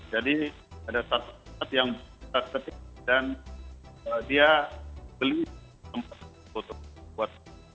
jadi ada yang dan dia beli tempat untuk buat